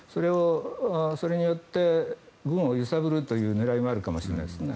それによって軍を揺さぶるという狙いもあるかもしれないですね。